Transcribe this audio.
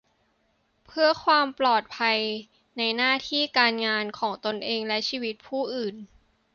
เพื่อความปลอดภัยในหน้าที่การงานของตนเองและชีวิตของผู้อื่น